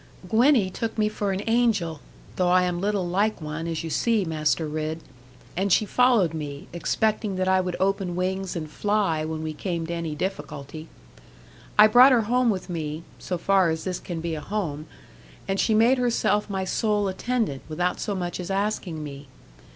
'Gwenny took me for an angel though I am little like one, as you see, Master Ridd; and she followed me, expecting that I would open wings and fly when we came to any difficulty. I brought her home with me, so far as this can be a home, and she made herself my sole attendant, without so much as asking me.